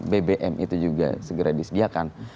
bbm itu juga segera disediakan